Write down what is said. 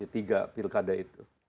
tiga pilkada itu